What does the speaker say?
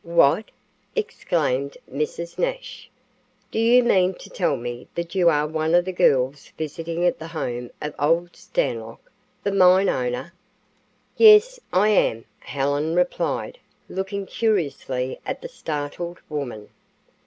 "What?" exclaimed Mrs. Nash. "Do you mean to tell me that you are one of the girls visiting at the home of Old Stanlock, the mine owner?" "Yes, I am," Helen replied, looking curiously at the startled woman.